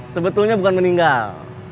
sebetulnya bukan meninggal